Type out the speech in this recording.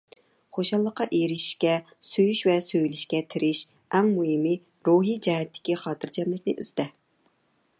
خۇشاللىققا ئېرىشىشكە، سۆيۈش ۋە سۆيۈلۈشكە تىرىش، ئەڭ مۇھىمى، روھىي جەھەتتىكى خاتىرجەملىكنى ئىزدە.